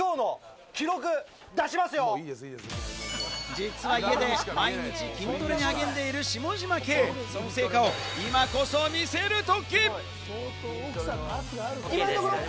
実は家で毎日筋トレにはげんでいる下嶋兄、その成果を今こそ見せる時。